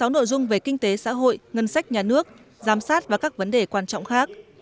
sáu nội dung về kinh tế xã hội ngân sách nhà nước giám sát và các vấn đề quan trọng khác